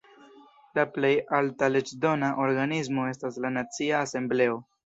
La plej alta leĝdona organismo estas la Nacia Asembleo.